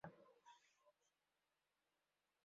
যেটা পারো কর।